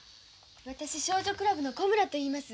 私「少女クラブ」の小村といいます。